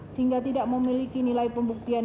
sehingga tidak memiliki nilai pembuktian